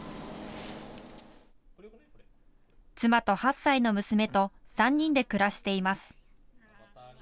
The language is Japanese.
妻と８歳の娘と３人で暮らしています。